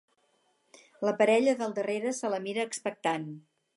La parella del darrere se la mira expectant.